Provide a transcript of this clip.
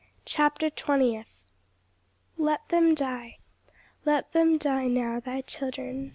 CHAPTER TWENTIETH. "Let them die, Let them die now, thy children!